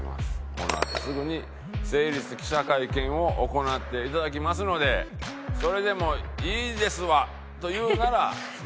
このあとすぐに成立記者会見を行っていただきますのでそれでもいいですわと言うなら「○」。